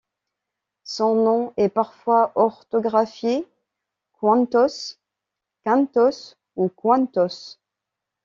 Son nom est parfois orthographié Cointos, Quintos ou Kointos.